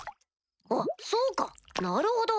あっそうかなるほど！